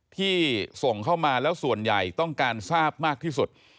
ที่ส่งเข้ามาแล้วส่วนใหญ่ต้องการทราบมากที่สุด